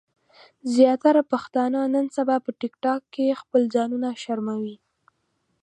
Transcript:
زياتره پښتانۀ نن سبا په ټک ټاک کې خپل ځانونه شرموي